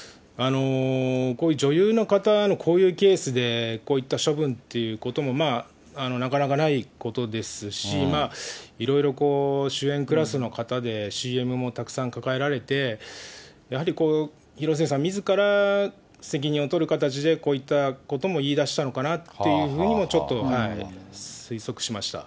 こういう女優の方のこういうケースで、こういった処分ということもなかなかないことですし、いろいろ主演クラスの方で、ＣＭもたくさん抱えられて、やはり広末さんみずから責任を取る形で、こういったことも言いだしたのかなっていうふうにもちょっと推測